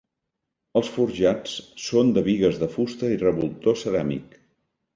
Els forjats són de bigues de fusta i revoltó ceràmic.